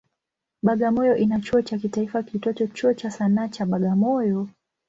Bagamoyo ina chuo cha kitaifa kiitwacho Chuo cha Sanaa cha Bagamoyo.